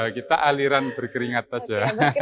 kita aliran berkeringat saja